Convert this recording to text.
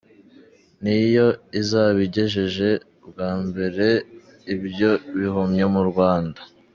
Ni yo izaba igejeje bwa mbere ibyo bihumyo mu Rwanda.